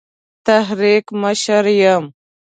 تحریک مشر یم.